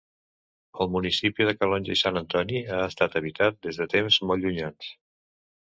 El municipi de Calonge i Sant Antoni ha estat habitat des de temps molt llunyans.